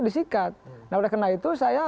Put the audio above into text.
disikat nah oleh karena itu saya